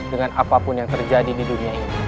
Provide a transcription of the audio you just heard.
dengan apapun yang terjadi di dunia ini